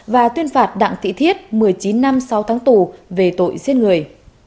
và tuyên phạt đặng thị thiết một mươi chín năm sáu tháng tù về tội giết người